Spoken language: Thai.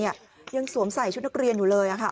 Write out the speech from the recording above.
ยังสวมใส่ชุดนักเรียนอยู่เลย